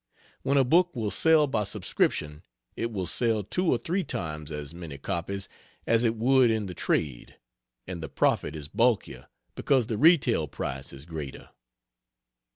When a book will sell by subscription, it will sell two or three times as many copies as it would in the trade; and the profit is bulkier because the retail price is greater.....